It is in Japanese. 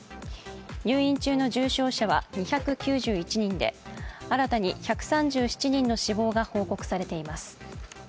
入院中の重症者は２９１人で新たに１３７人の死亡が報告されています。